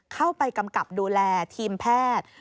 เข้าไปกำกับดูแลทีมแพทย์